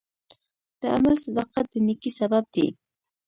د عمل صداقت د نیکۍ سبب دی.